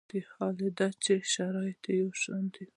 حال دا چې شرایط یو شان وي.